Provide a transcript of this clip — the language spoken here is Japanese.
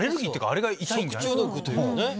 食中毒というかね。